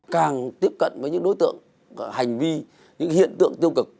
càng tiếp cận với những đối tượng hành vi những hiện tượng tiêu cực